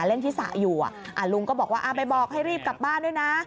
เล่นที่สระอยู่ลุงก็บอกว่าไปบอกให้รีบกลับบ้านด้วยนะ